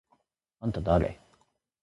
あんただれ？！？